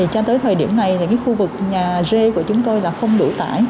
cho tới thời điểm này khu vực nhà d của chúng tôi không đủ tải